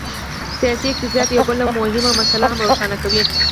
سیاسي اقتصاد یوه بله مهمه مسله هم روښانه کوي.